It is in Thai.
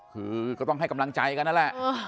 คือก็ต้องให้กำลังใจกันนั่นแหละ